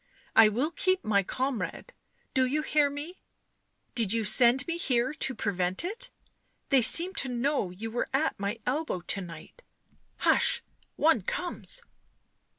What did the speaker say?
" I will keep my comrade. Do you hear me ? Did you send me here to prevent it? — they seemed to know you were at my elbow to night — hush !— one comes